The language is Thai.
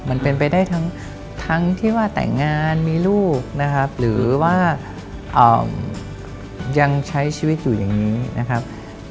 มันเป็นไปได้ทั้งที่ว่าแต่งงานมีลูกนะครับหรือว่ายังใช้ชีวิตอยู่อย่างนี้นะครับ